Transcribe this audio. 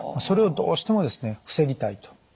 それをどうしてもですね防ぎたいと。